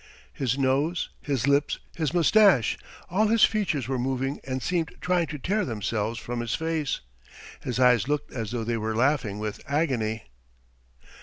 His nose, his lips, his moustache, all his features were moving and seemed trying to tear themselves from his face, his eyes looked as though they were laughing with agony.